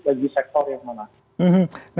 bagi sektor yang mana